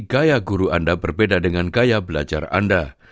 gaya guru anda berbeda dengan gaya belajar anda